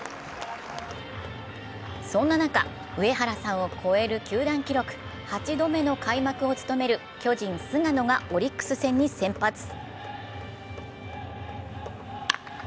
そんな中、上原さんを超える球団記録、８度目の開幕を務める巨人・菅野がオリックス戦に先発。